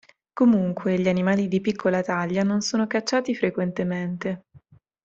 Comunque, gli animali di piccola taglia non sono cacciati frequentemente.